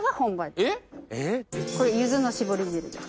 これ柚子の搾り汁です。